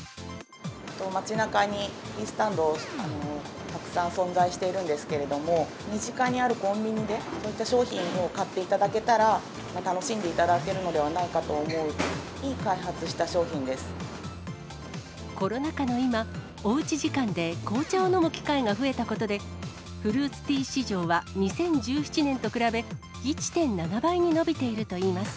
街なかにティースタンド、たくさん存在しているんですけれども、身近にあるコンビニで、こういった商品を買っていただけたら、楽しんでいただけるのではコロナ禍の今、おうち時間で紅茶を飲む機会が増えたことで、フルーツティー市場は２０１７年と比べ、１．７倍に伸びているといいます。